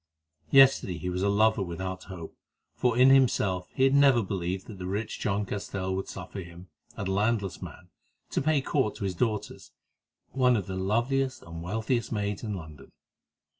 Yesterday he was a lover without hope, for in himself he had never believed that the rich John Castell would suffer him, a landless man, to pay court to his daughter, one of the loveliest and wealthiest maids in London.